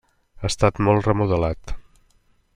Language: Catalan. Ha estat molt remodelat.